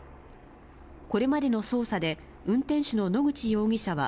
これまでの捜査で、運転手の野口容疑者は、